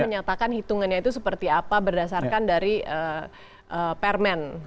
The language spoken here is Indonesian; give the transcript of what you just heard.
menyatakan hitungannya itu seperti apa berdasarkan dari permen